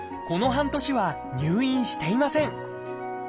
この半年は入院していません。